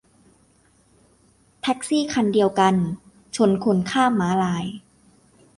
แท็กซี่คันเดียวกันชนคนข้ามม้าลาย